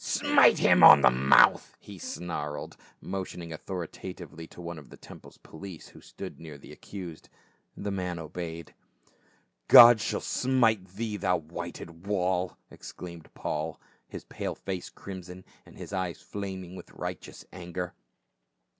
"Smite him on the mouth !" he snarled, motioning authoritatively to one of the temple police who stood near the accused. The man obeyed. God shall smite thee, thou whited wall !" exclaimed Paul, his pale face crimson, his eyes flaming with righteous anger.